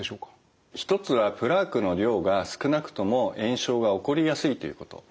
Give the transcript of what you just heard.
一つはプラークの量が少なくとも炎症が起こりやすいということ。